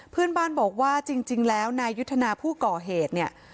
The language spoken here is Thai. เพื่อนบ้านบอกว่าจริงแล้วนายยุทธนาผู้ก่อเหตุเนี่ย